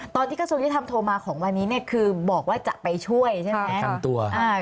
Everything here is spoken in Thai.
กระทรวงยุทธรรมโทรมาของวันนี้เนี่ยคือบอกว่าจะไปช่วยใช่ไหม